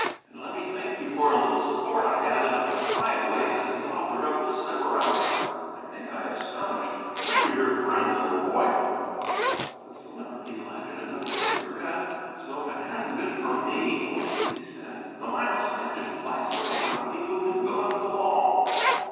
And let me thank you for a little sport I had in a quiet way as the author of The Sybarites. I think I astonished some of your friends, old boy.'" The Celebrity lighted another cigarette. "So if it hadn't been for me," he said, "the 'Miles Standish Bicycle Company' wouldn't have gone to the wall.